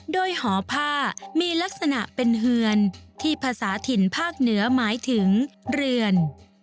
โดยหอผ้ามีลักษณะเป็นเฮือนที่ภาษาถิ่นภาคเหนือหมายถึงเรือน